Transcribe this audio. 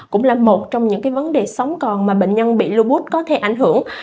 cũng là một trong những vấn đề sống còn mà bệnh nhân bị lưu bút có thể ảnh hưởng